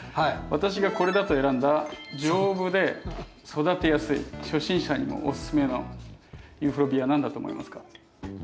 私がこれだと選んだ丈夫で育てやすい初心者にもおススメのユーフォルビア何だと思いますか？